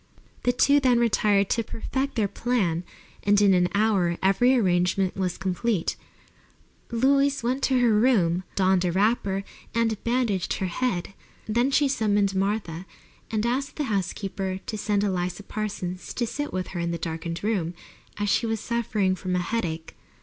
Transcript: The two then retired to perfect their plan, and in an hour every arrangement was complete. Louise went to her room, donned a wrapper, and bandaged her head. Then she summoned Martha and asked the housekeeper to send Eliza Parsons to sit with her in the darkened room, as she was suffering from a headache.